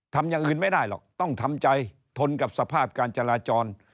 ทำอย่างอื่นไม่ได้หรอกต้องทำใจทนกับสภาพการจราจร